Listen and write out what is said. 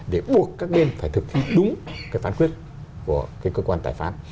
để buộc các bên phải thực thi đúng cái phán quyết của cái cơ quan tài phán